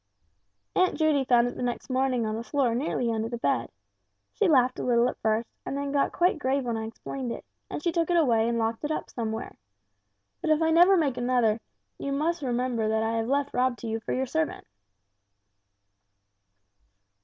"Aunt Judy found it the next morning on the floor nearly under the bed. She laughed a little at first, and then got quite grave when I explained it, and she took it away and locked it up somewhere. But if I never make another, you will remember that I have left Rob to you for your servant."